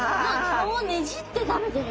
顔ねじって食べてる。